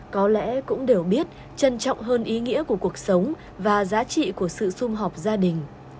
có lẽ cũng đều biết trân trọng hơn ý nghĩa của cuộc sống và giá trị của sự xung họp gia đình